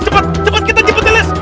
cepat cepat kita jepet lilith